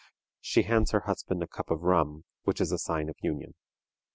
She hands her husband a cup of rum, which is a sign of union.